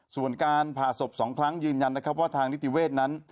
ส่วนการผ่าศพ๒ครั้งยืนยันนะครับว่าทางนิติเวศนั้น